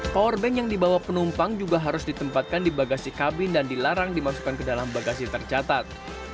powerbank yang dibawa penumpang juga harus ditempatkan di bagasi kabin dan dilarang dimasukkan ke dalam bagasi tercatat